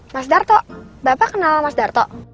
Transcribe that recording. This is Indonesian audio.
mas darto bapak kenal mas darto